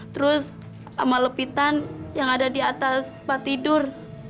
terus sama lepitan yang ada di atas patidur